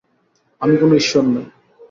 আমি কোনো ঈশ্বর নই।